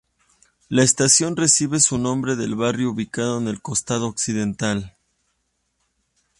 La estación recibe su nombre del barrio ubicado en el costado occidental.